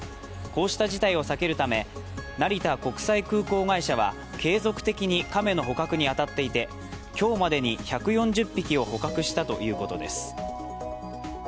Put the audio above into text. こうした事態を避けるため、成田国際空港会社は継続的に亀の捕獲に当たっていて、今日までに１４０匹を捕獲したということです。